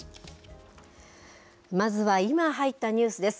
まずは今入ったニュースです。